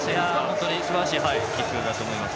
本当にすばらしいキックだと思います。